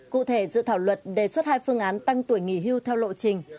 cụ thể dự thảo luật đề xuất hai phương án tăng tuổi nghỉ hưu theo lộ trình